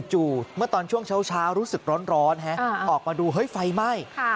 เมื่อตอนช่วงเช้ารู้สึกร้อนออกมาดูเฮ้ยไฟไหม้